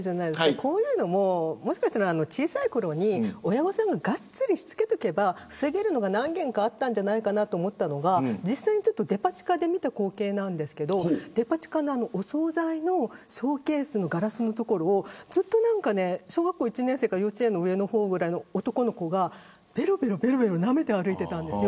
こういうのも小さいころに親御さんががっつり、しつけておけば防げるものが何件かあったんじゃないかと思うのが実際にデパ地下で見た光景なんですけどお総菜のショーケースのガラスの所を小学校１年生か幼稚園の上の方ぐらいの男の子がべろべろなめて歩いていたんですよ。